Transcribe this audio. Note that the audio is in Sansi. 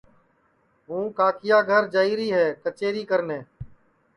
ہوں کاکیا گھر جائیری ہے کچیری کرنے